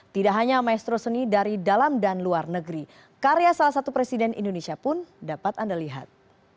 tidak hanya maestro seni dari dalam dan luar negeri karya salah satu presiden indonesia pun dapat anda lihat